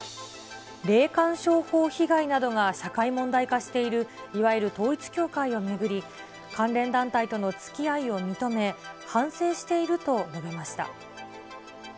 霊感商法被害などが社会問題化しているいわゆる統一教会を巡り、関連団体とのつきあいを認め、反省していると述べました。